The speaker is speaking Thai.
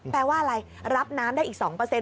แปลว่าอะไรรับน้ำได้อีก๒เปอร์เซ็นต์